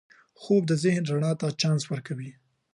خوب د ذهن رڼا ته چانس ورکوي